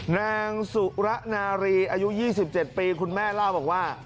นางสุระนารีอายุ๒๗ปีคุณแม่เล่าบอกว่า